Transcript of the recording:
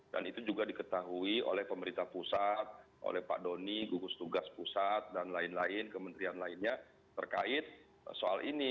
dan itu juga diketahui oleh pemerintah pusat oleh pak doni gugus tugas pusat dan lain lain kementerian lainnya terkait soal ini